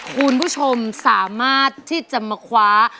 คุณผู้ชมสามารถที่จะมาคว้า